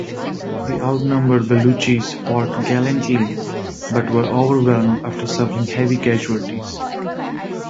The out-numbered Baluchis fought gallantly but were overwhelmed after suffering heavy casualties.